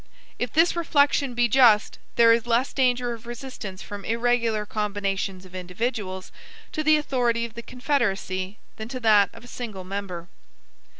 If this reflection be just, there is less danger of resistance from irregular combinations of individuals to the authority of the Confederacy than to that of a single member.